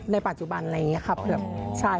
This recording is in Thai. ในปัจจุบันอะไรอย่างนี้ค่ะ